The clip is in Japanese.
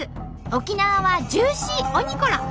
沖縄はジューシーおにコロ。